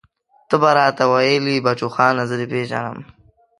ته به راته ويلې بچوخانه زه دې پېژنم.